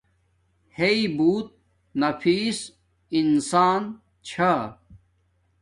ہݵ بوت نفیس انسان چھا